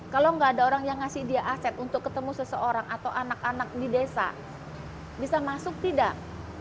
kalau nggak ada orang yang ngasih dia aset untuk ketemu seseorang atau anak anak di desa bisa masuk tidak